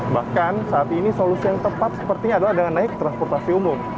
bahkan saat ini solusi yang tepat sepertinya adalah dengan naik transportasi umum